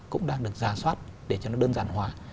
cũng đang được ra soát để cho nó đơn giản hòa